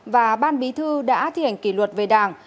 và ban bí thư đã thi hành kỷ luật về đảng